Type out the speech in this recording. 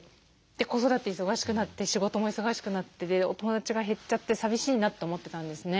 子育て忙しくなって仕事も忙しくなってお友だちが減っちゃって寂しいなって思ってたんですね。